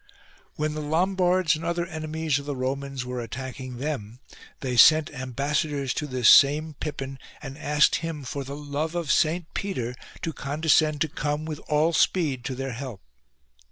15. When the Lombards and other enemies of the Romans were attacking them, they sent am bassadors to this same Pippin, and asked him for the love of Saint Peter to condescend to come with all speed to their help.